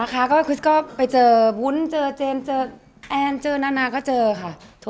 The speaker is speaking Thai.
ถั่วนะคะก็คุณก็ไปเจอบุญเจอเจนเจอแอนเจอนาก็เจอค่ะ